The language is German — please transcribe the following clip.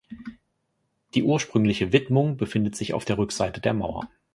Die ursprüngliche Widmung befindet sich auf der Rückseite der Mauer.